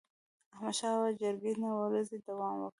د احمدشاه بابا جرګي نه ورځي دوام وکړ.